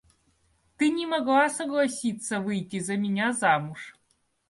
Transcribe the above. Ты не могла согласиться выйти за меня замуж.